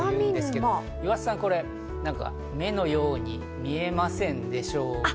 岩田さん、これ目のように見えませんでしょうか？